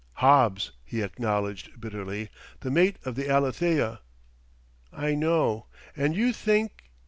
"Hobbs," he acknowledged bitterly; "the mate of the Alethea." "I know.... And you think